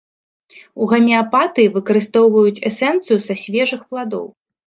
У гамеапатыі выкарыстоўваюць эсэнцыю са свежых пладоў.